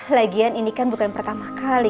lagian ini kan bukan pertama kali